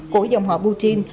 của dòng họ putin